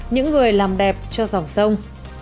những người làm đẹp cho dòng sông